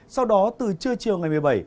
sau đó từ trưa chiều ngày một mươi bảy